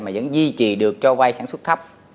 mà vẫn duy trì được cho vay sản xuất thấp